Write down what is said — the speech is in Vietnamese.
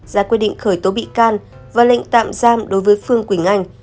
ra quyết định khởi tố bị can và lệnh tạm giam đối với phương quỳnh anh